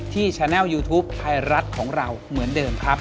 แชนัลยูทูปไทยรัฐของเราเหมือนเดิมครับ